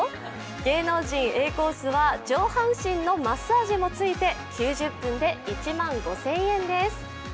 芸能人Ａコースは上半身のマッサージもついて９０分で１万５０００円です。